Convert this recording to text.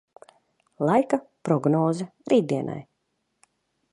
Laika prognoze rītdienai.